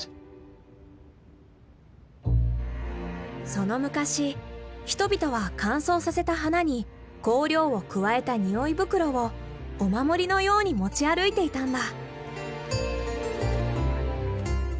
その昔人々は乾燥させた花に香料を加えた匂い袋をお守りのように持ち歩いていたんだ。